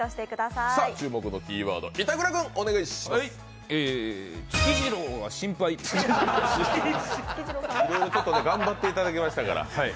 いろいろ頑張っていただきましたから。